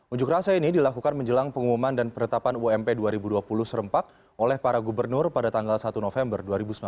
unjuk rasa ini dilakukan menjelang pengumuman dan penetapan ump dua ribu dua puluh serempak oleh para gubernur pada tanggal satu november dua ribu sembilan belas